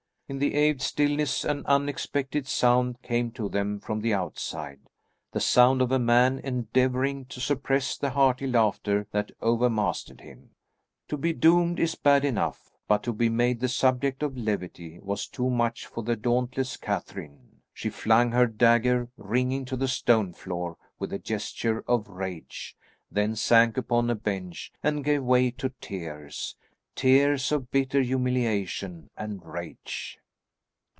In the awed stillness an unexpected sound came to them from the outside; the sound of a man endeavouring to suppress the hearty laughter that overmastered him. To be doomed is bad enough, but to be made the subject of levity was too much for the dauntless Catherine. She flung her dagger ringing to the stone floor with a gesture of rage, then sank upon a bench and gave way to tears; tears of bitter humiliation and rage.